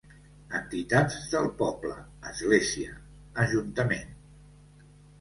Entitats del poble, església, ajuntament.